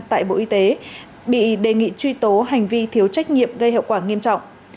tại bộ y tế bị đề nghị truy tố hành vi thiếu trách nhiệm gây hậu quả nghiêm trọng